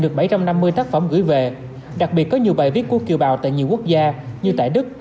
được bảy trăm năm mươi tác phẩm gửi về đặc biệt có nhiều bài viết của kiều bào tại nhiều quốc gia như tại đức